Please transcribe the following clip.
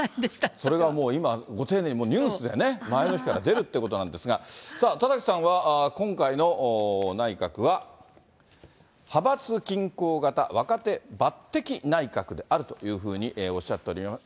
それがもう今、ご丁寧に、もうニュースでね、前の日から出るっていうことなんですが、さあ、田崎さんは、今回の内閣は、派閥均衡型若手抜擢ないかくであるというふうにおっしゃっております。